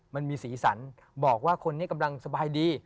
มันมีสีสันบอกว่าคนนี้กำลังสบายดี